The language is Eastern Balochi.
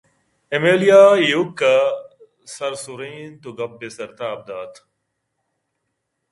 ایمیلیاءَ ایوک ءَ سر سُرینت ءُگپ ءِ سر تاب دات